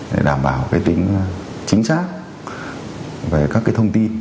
để đảm bảo tính chính xác về các thông tin